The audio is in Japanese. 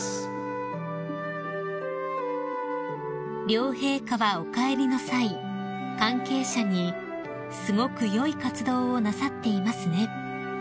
［両陛下はお帰りの際関係者に「すごく良い活動をなさっていますね」